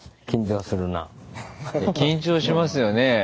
緊張しますよね。